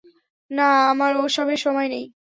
না, আমার ওসবের সময় নেই।